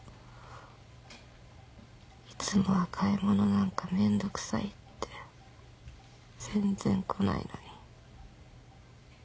いつもは買い物なんかめんどくさいって全然来ないのに。